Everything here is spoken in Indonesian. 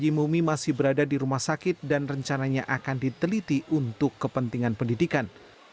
bayi mumi masih berada di rumah sakit dan rencananya akan diteliti untuk kepentingan pendidikan